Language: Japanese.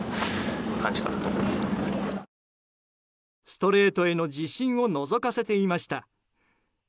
ストレートへの自信をのぞかせていました。